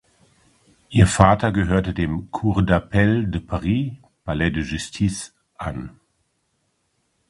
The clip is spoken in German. Ihr Vater gehörte dem "Cour d’Appel de Paris" (Palais de Justice) an.